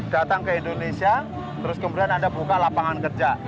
datang ke indonesia terus kemudian anda buka lapangan kerja